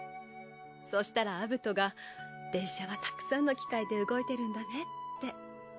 そうしたらアブトが電車はたくさんの機械で動いてるんだねって。